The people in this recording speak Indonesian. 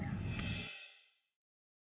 terima kasih ya